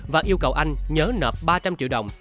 và yêu cầu anh nhớ nợp ba trăm linh triệu đồng